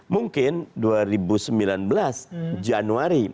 mungkin dua ribu sembilan belas januari